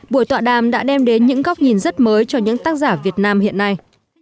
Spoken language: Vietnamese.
buổi tọa đàm đã đem đến những góc nhìn rất mới cho những tác giả việt nam hiện nay